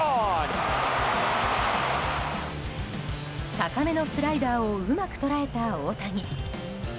高めのスライダーをうまく捉えた大谷。